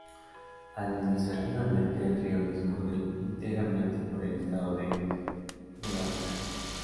Administrativamente, el río discurre íntegramente por el estado de Nebraska.